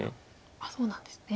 そうなんですね。